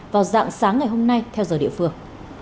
vào dạng sáng ngày hôm nay theo giờ địa phương